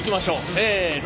せの。